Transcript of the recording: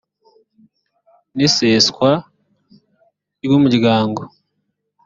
n iseswa ry umuryango